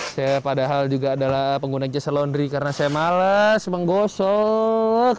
saya padahal juga adalah pengguna jasa laundry karena saya malas menggosok